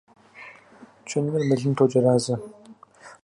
Чыныр мылым тоджэразэ.